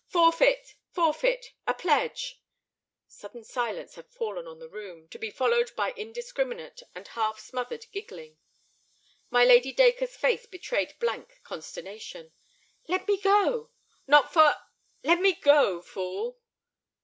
"Forfeit, forfeit! A pledge—!" Sudden silence had fallen on the room, to be followed by indiscriminate and half smothered giggling. My Lady Dacre's face betrayed blank consternation. "Let me go—" "Not for—" "Let me go, fool."